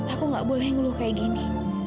aku gak boleh ngeluh kayak gini